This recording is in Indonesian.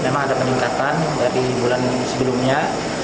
memang ada peningkatan dari bulan sebelumnya